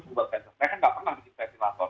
mereka tidak pernah membuat ventilator